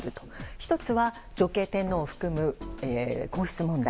１つは、女系天皇を含む皇室問題。